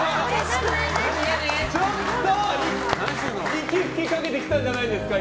息吹きかけてきたんじゃないですか？